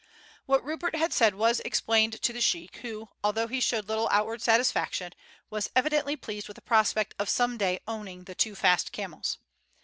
What Rupert had said was explained to the sheik, who, although he showed little outward satisfaction, was evidently pleased with the prospect of some day owning the two fast camels.